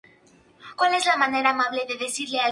Todo esto es histórico: el resto es sólo posible.